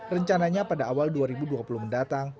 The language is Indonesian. rencananya pada awal dua ribu dua puluh mendatang